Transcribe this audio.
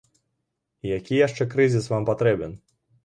Які яшчэ крызіс вам патрэбен?